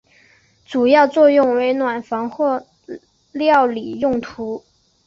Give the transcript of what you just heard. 主要作为暖房或料理用途。